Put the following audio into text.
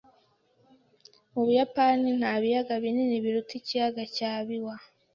Mu Buyapani nta biyaga binini biruta ikiyaga cya Biwa.